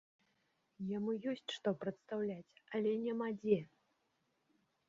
Яму ёсць што прадстаўляць, але няма дзе.